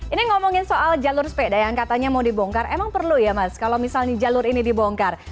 ini ngomongin soal jalur sepeda yang katanya mau dibongkar emang perlu ya mas kalau misalnya jalur ini dibongkar